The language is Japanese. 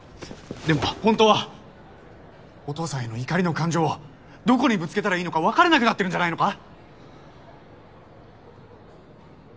でも本当はお父さんへの怒りの感情をどこにぶつけたらいいのか分からなくなってるんじゃないのか！